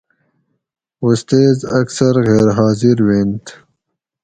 استیز اکثر غیر حاضر وینتھ